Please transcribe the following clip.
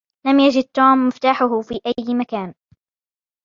لم يجد توم مفتاحه في أي مكان.